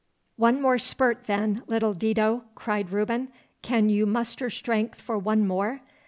'One more spurt, then, little Dido,' cried Reuben; 'can you muster strength for one more?